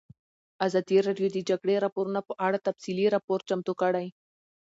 ازادي راډیو د د جګړې راپورونه په اړه تفصیلي راپور چمتو کړی.